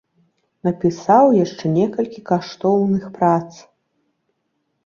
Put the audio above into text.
Напісаў яшчэ некалькі каштоўных прац.